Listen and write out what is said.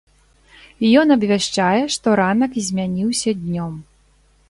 Ён абвяшчае, што ранак змяніўся днём.